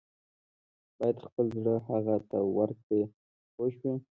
باید خپل زړه هغه ته ورکړې پوه شوې!.